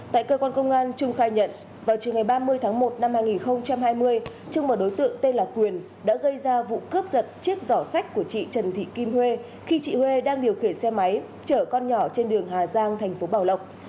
tại cơ quan công an trung khai nhận vào trường ngày ba mươi tháng một năm hai nghìn hai mươi trung và đối tượng tên là quyền đã gây ra vụ cướp giật chiếc giỏ sách của chị trần thị kim huê khi chị huê đang điều khiển xe máy chở con nhỏ trên đường hà giang thành phố bảo lộc